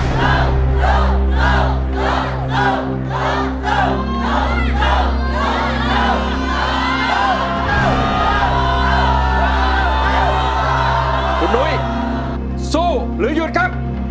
คุณหุ้ยสู้หรือหยุดครับ